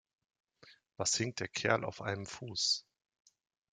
Was hinkt der Kerl auf einem Fuß?